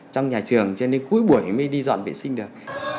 trong nhà trường cho nên cuối buổi mới đi dọn vệ sinh được